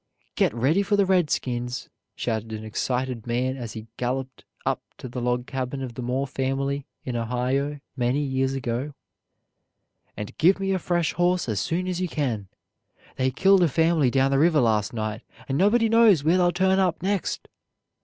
"Get ready for the redskins!" shouted an excited man as he galloped up to the log cabin of the Moore family in Ohio many years ago; "and give me a fresh horse as soon as you can. They killed a family down the river last night, and nobody knows where they'll turn up next!"